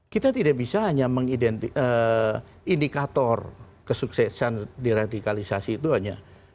kita tidak bisa hanya mengidentifikasi indikator kesuksesan diradikalisasi itu hanya